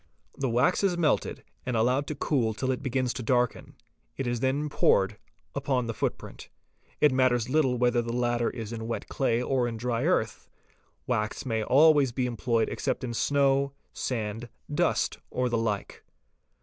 The wax is melted and allowed to cool till it begins to darken, it is then poured upon the foot print. It matters little whether the latter is in wet clay or in dry earth ; wax may always be employed except in snow, sand, dust, or the like.